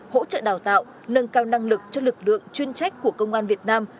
hỗ trợ đào tạo nâng cao năng lực cho lực lượng chuyên trách của công an việt nam